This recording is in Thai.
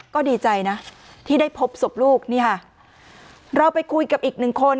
ก็ดีใจนะที่ได้พบศพลูกนี่ค่ะเราไปคุยกับอีกหนึ่งคน